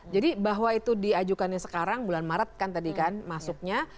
jadi bahwa itu diajukannya sekarang bulan maret kan tadi kan masuknya